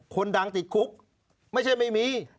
คนดังติดคุกไม่ใช่ไม่มี